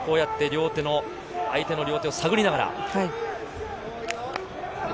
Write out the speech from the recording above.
相手の両手を探りながら。